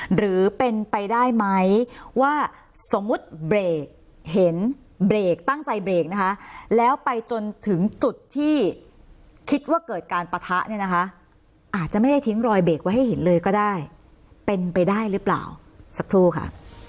หรือเป็นไปได้ไหมว่าสมมุติเบรกเห็นเบรกตั้งใจเบรกนะคะแล้วไปจนถึงจุดที่คิดว่าเกิดการปะทะเนี่ยนะคะอาจจะไม่ได้ทิ้งรอยเบรกไว้ให้เห็นเลยก็ได้เป็นไปได้หรือเปล่าสักครู่ค่ะ